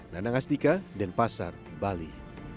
nandang asdika dan pasar bali